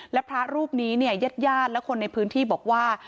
และพระรูปนี้เย็ดญาติและคนในประวัติประธานบังวดบอกว่า